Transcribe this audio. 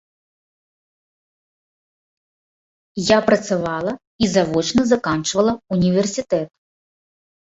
Я працавала і завочна заканчвала ўніверсітэт.